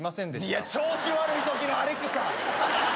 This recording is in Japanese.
いや調子悪いときのアレクサ！